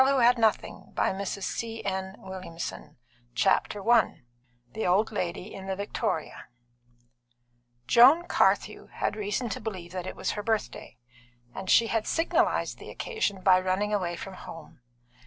CHAPTER XII A New Love and an Old Enemy ―――― CHAPTER I The Old Lady in the Victoria Joan Carthew had reason to believe that it was her birthday, and she had signalised the occasion by running away from home.